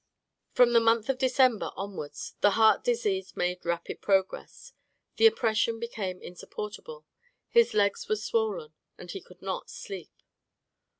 From the month of December onwards, the heart disease made rapid progress; the oppression became insupportable, his legs were swollen, and he could not sleep....